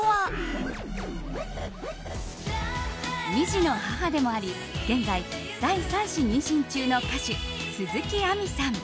２児の母でもあり現在、第３子妊娠中の歌手・鈴木亜美さん。